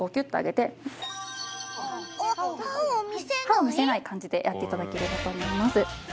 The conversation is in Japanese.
歯を見せない感じでやって頂ければと思います。